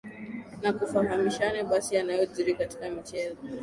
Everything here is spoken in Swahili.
na tufahamishane basi yanayojiri katika michezo